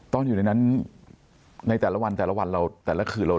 ตอนนั้นอยู่ในนั้นในแต่ละวันแต่ละวันเราแต่ละคืนเรา